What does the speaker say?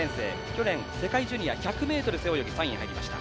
去年、世界ジュニア１００ｍ背泳ぎ３位に入りました。